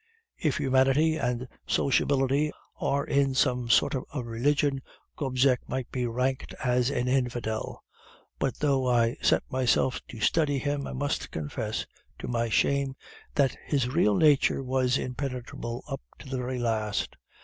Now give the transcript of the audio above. If humanity and sociability are in some sort a religion, Gobseck might be ranked as an infidel; but though I set myself to study him, I must confess, to my shame, that his real nature was impenetrable up to the very last.